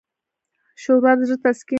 ښوروا د زړه تسکین ده.